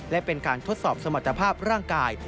และเป็นการทดสอบสมรรถภาพร่างกาย